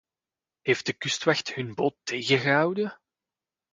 Heeft de kustwacht hun boot tegengehouden?